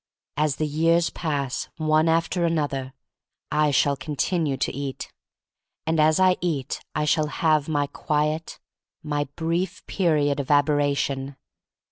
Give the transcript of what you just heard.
J^s the years pass, one after another, I shall continue to eat. And as I eat I shall have my quiet, my brief period of aberration.